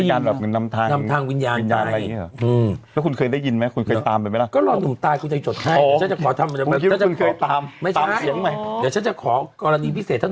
หลายนัดด้วยอย่างนั้นหรอพี่น้อง